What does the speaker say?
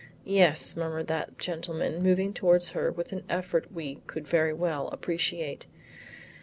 "Yes," murmured that gentleman moving towards her with an effort we could very well appreciate.